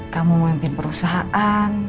kamu memimpin perusahaan